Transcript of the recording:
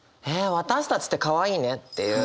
私たちってかわいいねっていう。